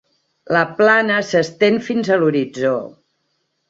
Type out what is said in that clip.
La plana s'estén fins a l'horitzó.